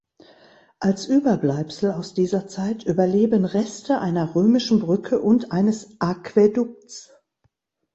Als Überbleibsel aus dieser Zeit überleben Reste einer römischen Brücke und eines Aquädukts.